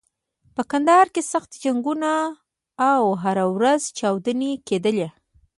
په کندهار کې سخت جنګونه و او هره ورځ چاودنې کېدلې.